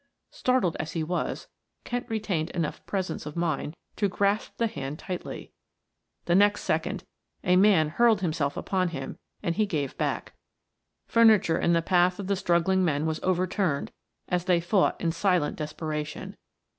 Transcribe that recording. Startled as he was, Kent retained enough presence of mind to grasp the hand tightly; the next second a man hurled himself upon him and he gave back. Furniture in the path of the struggling men was overturned as they fought in silent desperation.